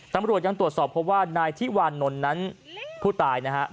ตำรวจยังตรวจสอบเพราะว่านายทิวานนท์นั้นผู้ตายนะฮะ